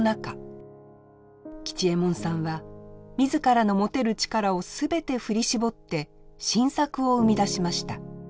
吉右衛門さんは自らの持てる力を全て振り絞って新作を生み出しました。